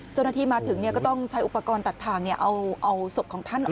เจ้าหน้าที่มาถึงก็ต้องใช้อุปกรณ์ตัดทางเอาศพของท่านออก